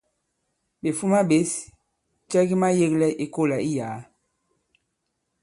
Fuma ɓěs cɛ ki mayēglɛ i kolà i yàa.